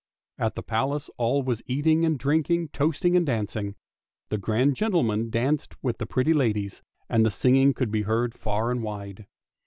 At the Palace all was eating and drinking, toasting and dancing. The grand gentlemen danced with the pretty ladies, and the singing could be heard far and wide.